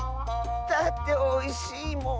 だっておいしいもん。